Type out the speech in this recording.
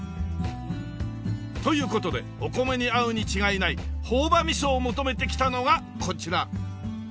という事でお米に合うに違いない朴葉みそを求めて来たのがこちら。